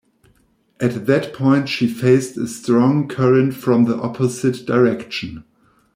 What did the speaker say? At that point she faced a strong current from the opposite direction.